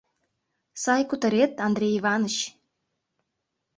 Сай кутырет, Андрей Иваныч!